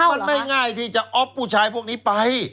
มันไม่ง่ายที่จะอ๊อฟผู้ชายพวกนี้ไป